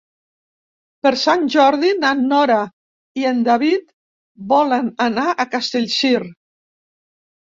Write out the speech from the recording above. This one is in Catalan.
Per Sant Jordi na Nora i en David volen anar a Castellcir.